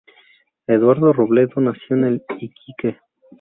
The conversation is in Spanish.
Eduardo Robledo nació en Iquique.